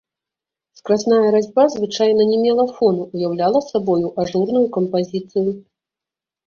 Скразная разьба звычайна не мела фону, уяўляла сабою ажурную кампазіцыю.